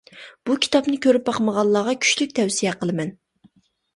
بۇ كىتابنى كۆرۈپ باقمىغانلارغا كۈچلۈك تەۋسىيە قىلىمەن.